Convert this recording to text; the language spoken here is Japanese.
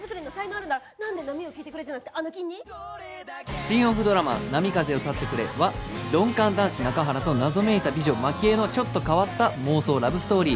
スピンオフドラマ『波風よ立ってくれ』は鈍感男子中原と謎めいた美女マキエのちょっと変わった妄想ラブストーリー